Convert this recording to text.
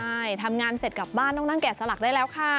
ใช่ทำงานเสร็จกลับบ้านต้องนั่งแกะสลักได้แล้วค่ะ